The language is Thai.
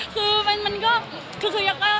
คือจะหวัดหวัดเพราะทุกคนเชียร์เนี่ยค่ะ